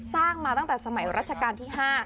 สร้างมาตั้งแต่สมัยรัชกาลที่๕